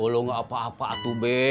lo gak apa apa tuh be